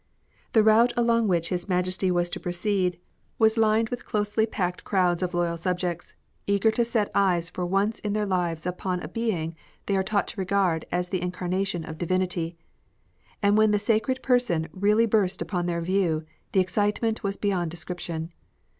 The route along which His Majesty was to proceed was lined with closely packed crowds THE DEATH OE AN EMPEROR. of loyal subjects, eager to set eyes for once in their lives upon a being they are taught to regard as the incarnation of divinity ; and when the Sacred Person really burst upon their view, the excitement was beyond description.